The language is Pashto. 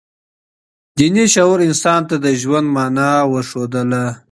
دیني شعور انسان ته د ژوند مانا وښودله.